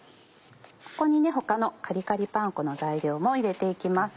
ここに他のカリカリパン粉の材料も入れて行きます。